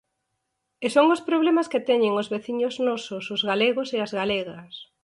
E son problemas que teñen os veciños nosos, os galegos e as galegas.